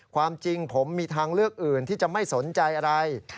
ความจริงผมมีทางเลือกอื่นที่จะไม่สนใจอะไร